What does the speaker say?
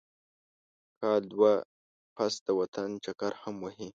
کال دوه پس د وطن چکر هم وهي.